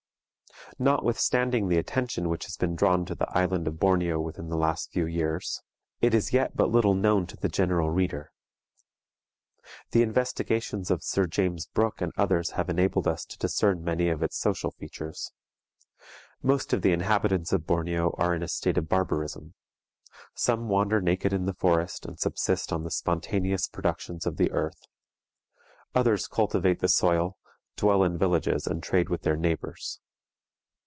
Notwithstanding the attention which has been drawn to the island of Borneo within the last few years, it is yet but little known to the general reader. The investigations of Sir James Brooke and others have enabled us to discern many of its social features. Most of the inhabitants of Borneo are in a state of barbarism. Some wander naked in the forest, and subsist on the spontaneous productions of the earth; others cultivate the soil, dwell in villages, and trade with their neighbors.